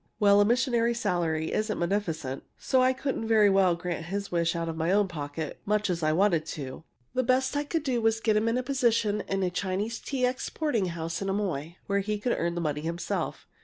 Well, a missionary's salary isn't munificent, so I couldn't very well grant his wish out of my own pocket, much as I wanted to. The best I could do was to get him a position in a Chinese tea exporting house in Amoy, where he could earn the money himself.